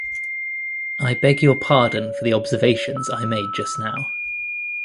I beg your pardon for the observations I made just now.